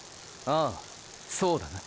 ああそうだな！